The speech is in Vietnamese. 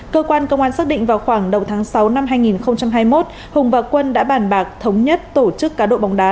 cơ quan công an xác định vào khoảng đầu tháng sáu năm hai nghìn hai mươi một hùng và quân đã bàn bạc thống nhất tổ chức cá độ bóng đá